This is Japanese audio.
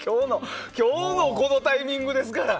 今日のこのタイミングですから。